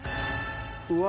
うわ！